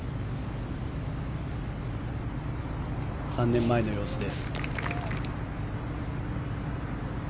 ３年前の様子です。